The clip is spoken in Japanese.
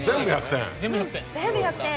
全部１００点。